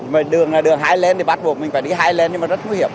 mà đường hai lén thì bắt buộc mình phải đi hai lén nhưng mà rất nguy hiểm